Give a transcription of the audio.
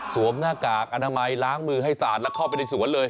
หน้ากากอนามัยล้างมือให้สาดแล้วเข้าไปในสวนเลย